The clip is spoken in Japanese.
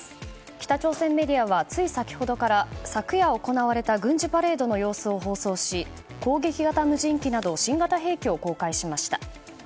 北朝鮮メディアはつい先ほどから昨夜行われた軍事パレードの様子を放送し攻撃型無人機など新型兵器を公開しました。